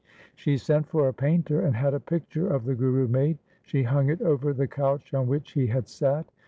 She sent for a painter, and had a picture of the Guru made. She hung it over the couch on which he had sat.